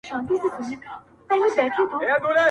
چي فتوا و میکدو ته په تلو راوړي,